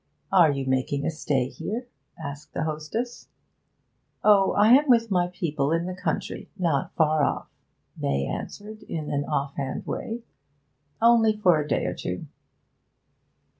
'Are you making a stay here?' asked the hostess. 'Oh! I am with my people in the country not far off,' May answered in an offhand way. 'Only for a day or two.'